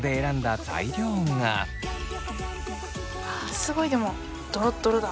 すごいでもドロドロだ。